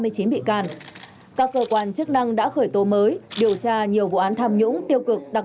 tỉnh bị can các cơ quan chức năng đã khởi tố mới điều tra nhiều vụ án tham nhũng tiêu cực đặc